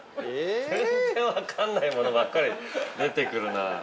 ◆全然分からないものばっかり出てくるな。